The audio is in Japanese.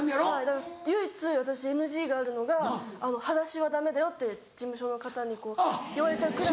だから唯一私ＮＧがあるのが「はだしはダメだよ」って事務所の方に言われちゃうくらい。